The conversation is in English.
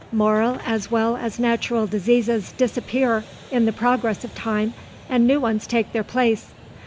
Moral as well as natural diseases disappear in the progress of time and new ones take their place.